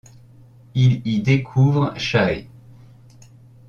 Il y découvre Shae.